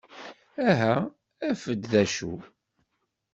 Aha af-d d acu!